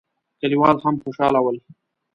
کليوال هم خوشاله ول.